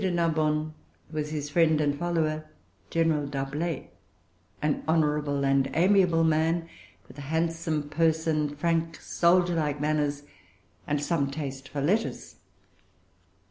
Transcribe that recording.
de Narbonne was his friend and follower General D'Arblay, an honorable and amiable man, with a handsome person, frank soldier like manners, and some taste for letters.